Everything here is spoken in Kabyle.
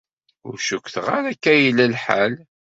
Ur cukkteɣ ara akka i yella lḥal.